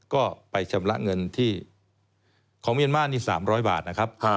ก็ไปชำระเงินที่ของเมียนมาร์นี่๓๐๐บาทนะครับ